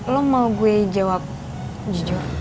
lo mau gue jawab jujur